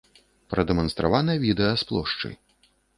Прадэманстравана відэа з плошчы.